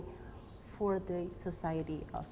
dan juga untuk pembinaan